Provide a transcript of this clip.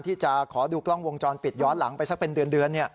ที่จะขอดูกล้องวงจรปิดย้อนหลังไปสักเป็นเดือน